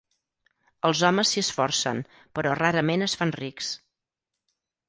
Els homes s'hi esforcen, però rarament es fan rics.